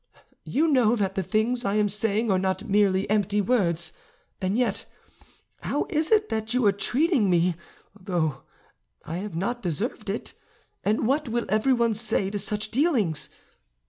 You know that the things I am saying are not merely empty words; and yet how is it you are treating me, though I have not deserved it? And what will everyone say to such dealings?